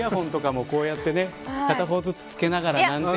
イヤフォンとかもこうやって片方ずつ着けながら。